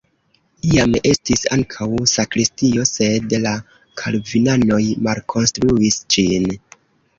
Iam estis ankaŭ sakristio, sed la kalvinanoj malkonstruis ĝin.